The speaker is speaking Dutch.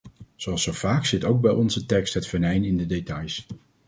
Zoals zo vaak zit ook bij onze tekst het venijn in de details.